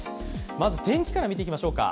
まず天気から見ていきましょうか。